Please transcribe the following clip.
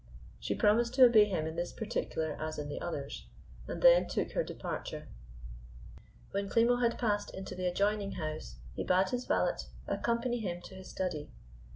She promised to obey him in this particular as in the others, and then took her departure. When Klimo had passed into the adjoining house, he bade his valet accompany him to his study.